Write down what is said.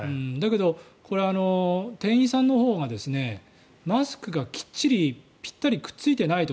でも、これは店員さんのほうがマスクがきっちり、ぴったりついていないと。